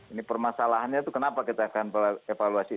ini permasalahannya itu kenapa kita akan evaluasi